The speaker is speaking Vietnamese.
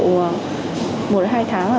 một đến hai tháng